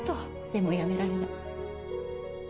でも辞められない。